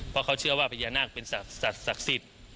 เพราะเขาเชื่อว่าพญาหน้าเป็นศัตรว์ศักดิ์ศิษฐ์